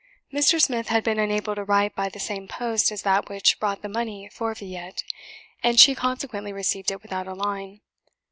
Mr. Smith had been unable to write by the same post as that which brought the money for 'Villette,' and she consequently received it without a line.